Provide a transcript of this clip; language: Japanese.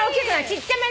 ちっちゃめ。